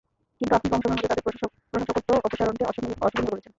কিন্তু আপনি কম সময়ের মধ্যে তাদের প্রশাসকত্ব অপসারণকে অশোভনীয় বলেছেন।